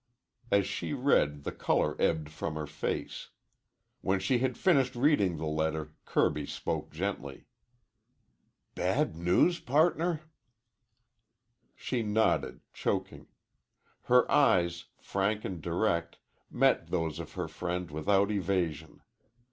As she read, the color ebbed from her face. When she had finished reading the letter Kirby spoke gently. "Bad news, pardner?" She nodded, choking. Her eyes, frank and direct, met those of her friend without evasion.